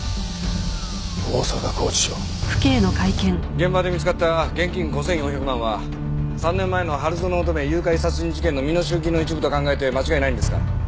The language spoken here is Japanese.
現場で見つかった現金５４００万は３年前の春薗乙女誘拐殺人事件の身代金の一部と考えて間違いないんですか？